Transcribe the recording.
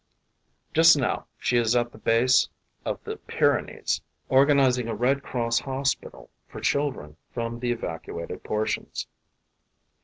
Just now she is at the base of the Pyrenees, organizing a Red Cross hospital for chil dren from the evacuated portions.